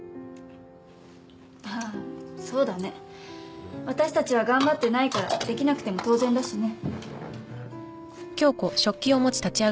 あぁそうだね。私たちは頑張ってないから出来なくても当然だしね。